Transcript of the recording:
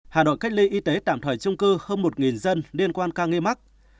hà nội cách ly y tế tạm thời trung cư hơn một dân liên quan ca nghi mắc